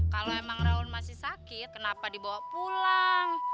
kalau emang raul masih sakit kenapa dibawa pulang